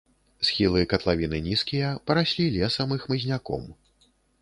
Схілы катлавіны нізкія, параслі лесам і хмызняком.